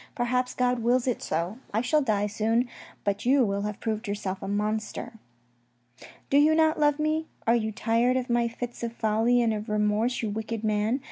Perhaps God wills it so. I shall die soon, but you will have proved yourself a monster. " Do you not love me ? Are you tired of my fits of folly and of remorse, you wicked man